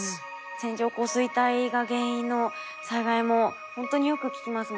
線状降水帯が原因の災害もほんとによく聞きますもんね。